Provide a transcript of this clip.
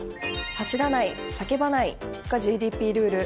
走らない、叫ばないがＧＤＰルール。